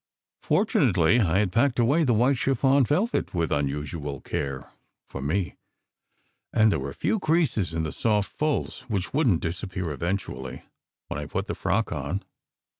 Fortunately I had packed away the white chiffon vel vet with unusual care (for me), and there were few creases in the soft folds which wouldn t disappear eventually when I had put the frock on.